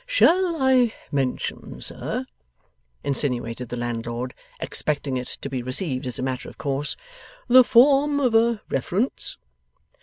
'Shall I mention, sir,' insinuated the landlord, expecting it to be received as a matter of course, 'the form of a reference?